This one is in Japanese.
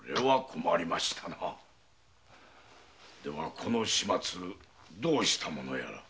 この始末どうしたものやら？